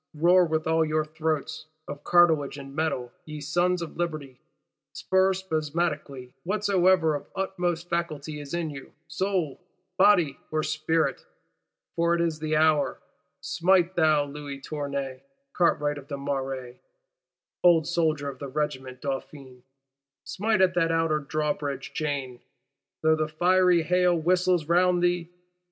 Roar with all your throats, of cartilage and metal, ye Sons of Liberty; stir spasmodically whatsoever of utmost faculty is in you, soul, body or spirit; for it is the hour! Smite, thou Louis Tournay, cartwright of the Marais, old soldier of the Regiment Dauphine; smite at that Outer Drawbridge chain, though the fiery hail whistles round thee!